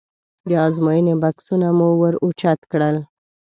د ازموینې بکسونه مو ور اوچت کړل.